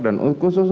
dan khusus untuk